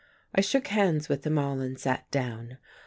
I shook hands with them all and sat down.